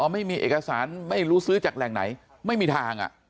ไม่มีเอกสารไม่รู้ซื้อจากแหล่งไหนไม่มีทาง